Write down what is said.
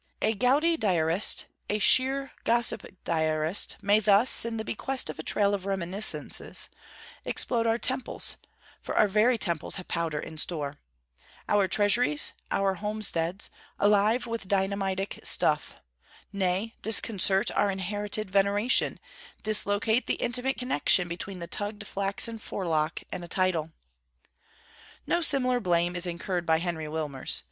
A gouty Diarist, a sheer gossip Diarist, may thus, in the bequest of a trail of reminiscences, explode our temples (for our very temples have powder in store), our treasuries, our homesteads, alive with dynamitic stuff; nay, disconcert our inherited veneration, dislocate the intimate connexion between the tugged flaxen forelock and a title. No similar blame is incurred by Henry Wilmers.